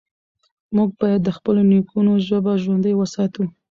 موږ بايد د خپلو نيکونو ژبه ژوندۍ وساتو.